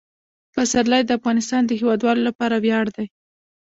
پسرلی د افغانستان د هیوادوالو لپاره ویاړ دی.